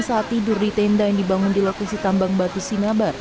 saat tidur di tenda yang dibangun di lokasi tambang batu sinabar